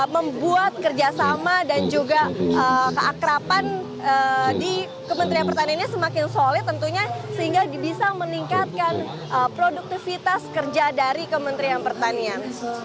membuat kerjasama dan juga keakrapan di kementerian pertanian ini semakin solid tentunya sehingga bisa meningkatkan produktivitas kerja dari kementerian pertanian